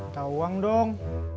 tahu uang dong